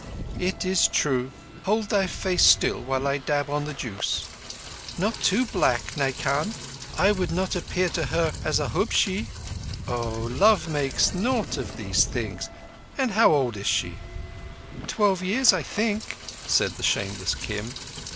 "That is true. Hold thy face still while I dab on the juice." "Not too black, Naikan. I would not appear to her as a hubshi (nigger)." "Oh, love makes nought of these things. And how old is she?" "Twelve years, I think," said the shameless Kim.